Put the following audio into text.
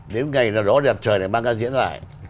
nếu ngày nào đó đẹp trời này mang ra diễn lại